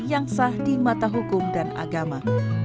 yang sah di mata hukum dan agama